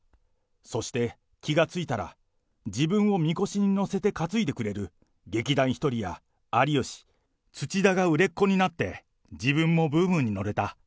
そして、気がついたら、自分をみこしに乗せて担いでくれる劇団ひとりや有吉、土田が売れっ子になって、自分もブームに乗れた。